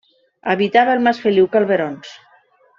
Habitava el mas Feliu Calverons.